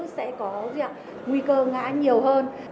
sẽ có nguy cơ ngã nhiều hơn